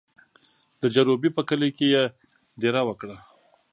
د جروبي په کلي کې یې دېره وکړه.